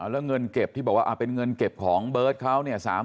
แล้วเงินเก็บที่บอกว่าเป็นเงินเก็บของเบิร์ตเขาเนี่ย